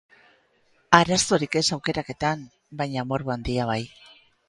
Arazorik ez aukeraketan, baina morbo handia bai.